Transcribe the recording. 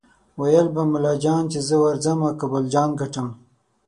ویل به ملا جان چې زه ورځمه کابل جان ګټم